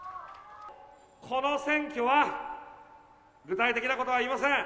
この選挙は、具体的なことは言いません。